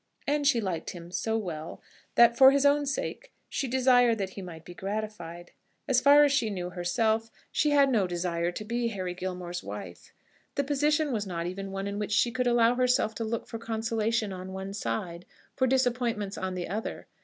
And she liked him so well that, for his own sake, she desired that he might be gratified. As far as she knew herself, she had no desire to be Harry Gilmore's wife. The position was not even one in which she could allow herself to look for consolation on one side, for disappointments on the other.